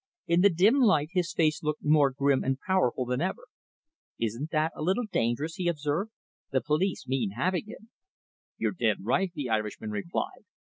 In the dim light his face looked more grim and powerful than ever. "Isn't that a little dangerous?" he observed. "The police mean having him." "You're dead right," the Irishman replied.